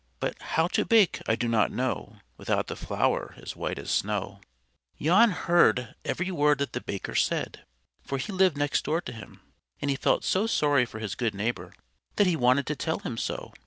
But how to bake I do not know Without the flour as white as snow_." Jan heard every word that the Baker said, for he lived next door to him; and he felt so sorry for his good neighbor that he wanted to tell him so.